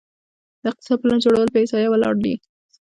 د اقتصاد پلان جوړول په احصایه ولاړ دي؟